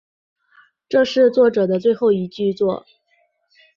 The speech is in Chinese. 这是作者的最后一部剧作。